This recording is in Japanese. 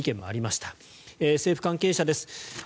政府関係者です。